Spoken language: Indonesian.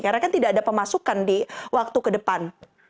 karena kan tidak ada pemasukan di waktu ke depan